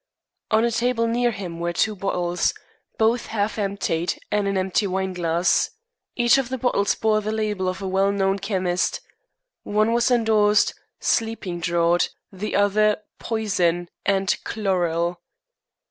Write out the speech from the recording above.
On a table near him were two bottles, both half emptied, and an empty wineglass. Each of the bottles bore the label of a well known chemist. One was endorsed "Sleeping draught," the other "Poison," and "Chloral."